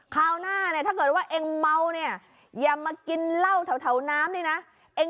คราวหน้าถ้าเกิดว่าเกิดว่าเกิดว่าเกิดว่าเกิดว่าเกิดว่า